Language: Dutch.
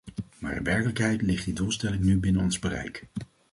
Maar in werkelijkheid ligt die doelstelling nu binnen ons bereik.